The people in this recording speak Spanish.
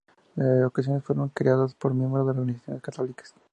En ocasiones fueron creadas por miembros de organizaciones católicas.